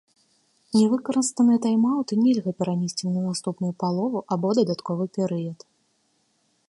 Нявыкарыстаныя тайм-аўты нельга перанесці на наступную палову або дадатковы перыяд.